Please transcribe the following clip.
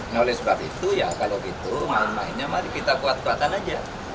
nah oleh sebab itu ya kalau gitu main mainnya mari kita kuat kuatan aja